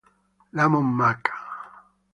Lamont Mack